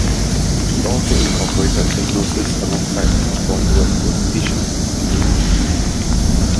He also incorporated hypnosis alongside his bodywork with patients and students.